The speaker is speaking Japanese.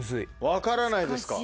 分からないですか。